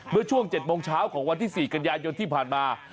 เมื่อช่วง๗โมงเช้าของวันที่๔กันยายนที่ผ่านมา